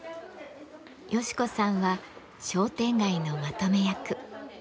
ヨシ子さんは商店街のまとめ役。